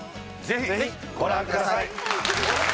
ぜひご覧ください。